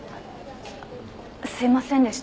すいませんでした。